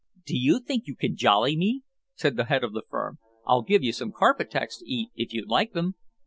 "Do you think you can jolly me?" said the head of the firm. "I'll give you some carpet tacks to eat if you'd like them."